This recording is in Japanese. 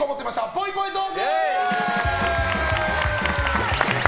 ぽいぽいトーク。